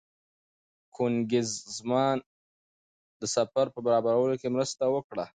کوېنیګزمان د سفر په برابرولو کې مرسته وکړه.